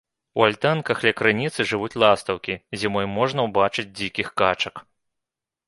У альтанках ля крыніцы жывуць ластаўкі, зімой можна ўбачыць дзікіх качак.